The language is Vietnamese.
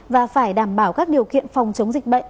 và phải đảm bảo các điều kiện phòng chống dịch bệnh